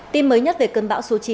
tin mới nhất về cơn bão số chín